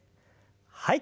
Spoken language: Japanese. はい。